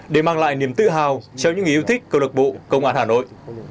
để mang lại niềm tự hào cho những người yêu thích câu lạc bộ công an hà nội